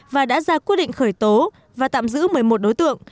và đã ra quyết định khởi tố và tạm giữ một mươi một đối tượng